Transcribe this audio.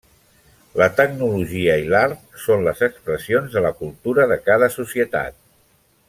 La tecnologia i l'art són les expressions de la cultura de cada societat.